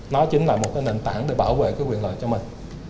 nó chính là một nền tảng để bảo vệ quyền lợi cho mình